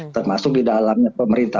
termasuk di dalamnya pemerintah